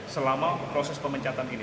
selama proses pemecatan ini